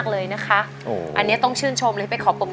คุณยายแดงคะทำไมต้องซื้อลำโพงและเครื่องเสียง